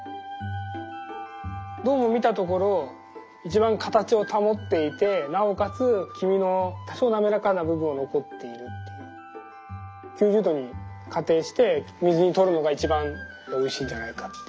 どうも見たところ一番形を保っていてなおかつ黄身の多少なめらかな部分残っているっていう９０℃に仮定して水にとるのが一番おいしいんじゃないかっていう。